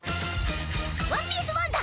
ワンピース「ワンダ」！